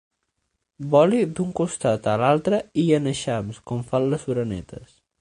Voli d'un costat a l'altre i en eixams, com fan les orenetes.